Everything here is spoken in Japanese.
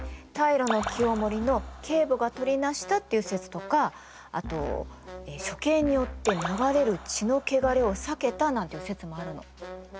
平清盛の継母がとりなしたっていう説とかあと処刑によって流れる血の穢れを避けたなんていう説もあるの。